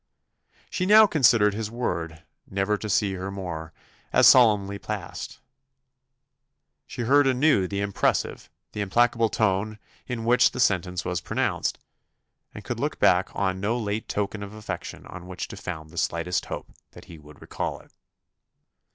She now considered his word, "never to see her more," as solemnly passed: she heard anew the impressive, the implacable tone in which the sentence was pronounced; and could look back on no late token of affection on which to found the slightest hope that he would recall it.